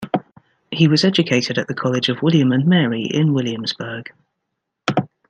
He was educated at the College of William and Mary in Williamsburg.